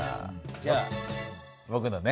じゃあぼくのね。